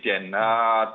tidak hanya mentersangkakan